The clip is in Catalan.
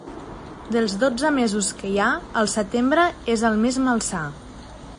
Dels dotze mesos que hi ha, el setembre és el més malsà.